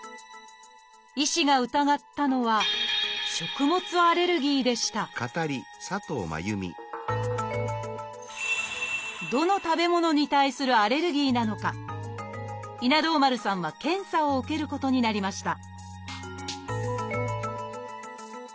医師が疑ったのはどの食べ物に対するアレルギーなのか稲童丸さんは検査を受けることになりました